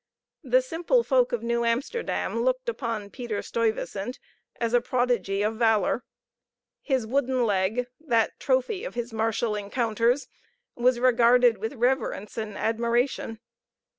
The simple folk of New Amsterdam looked upon Peter Stuyvesant as a prodigy of valor. His wooden leg, that trophy of his martial encounters, was regarded with reverence and admiration.